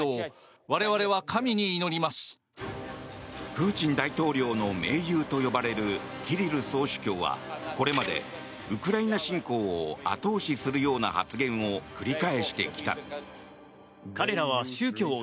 プーチン大統領の盟友と呼ばれるキリル総主教はこれまで、ウクライナ侵攻を後押しするような発言を繰り返してきた。